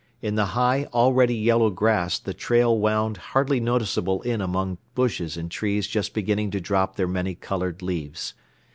In the high, already yellow grass the trail wound hardly noticeable in among bushes and trees just beginning to drop their many colored leaves.